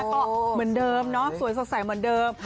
ก็เหมือนเดิมเนาะสวยสดใสเหมือนเดิม